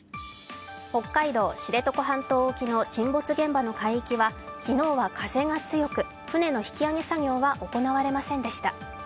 北海道・知床半島沖の沈没現場の海域は昨日は風が強く、船の引き揚げ作業は行われませんでした。